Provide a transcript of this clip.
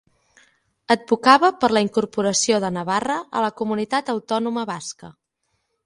Advocava per la incorporació de Navarra a la Comunitat Autònoma Basca.